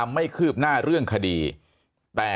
มีความรู้สึกว่า